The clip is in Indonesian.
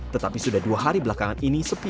tetapi sudah dua hari belakangan ini sepi